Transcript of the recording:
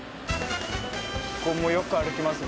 ここもよく歩きます